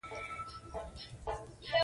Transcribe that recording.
د لرغونو اثارو ساتنې ارزښت په دې کې دی.